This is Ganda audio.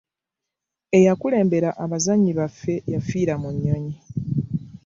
Eyakulembera abazannyi baffe yafiira mu nnyonyi.